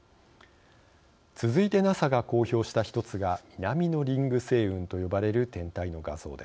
続いてＮＡＳＡが公表した一つが南のリング星雲と呼ばれる天体の画像です。